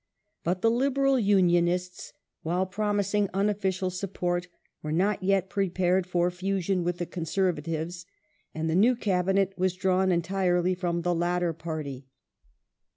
But the Liberal Unionists, while promising unofficial support, ^86 ^1^' ^^^^^^^ y^^ prepared for fusion with the Conservatives, and the new Cabinet was drawn entirely fmm the latter party.